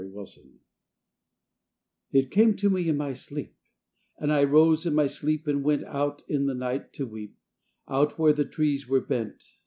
SELF AND SOUL It came to me in my sleep, And I rose in my sleep and went Out in the night to weep, Out where the trees were bent.